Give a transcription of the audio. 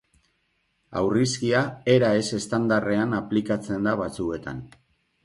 Aurrizkia era ez-estandarrean aplikatzen da batzuetan.